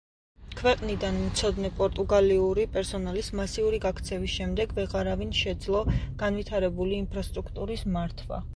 ქვეყნიდან მცოდნე პორტუგალიური პერსონალის მასიური გაქცევის შემდეგ ვეღარავინ შეძლო განვითარებული ინფრასტრუქტურის მართვა.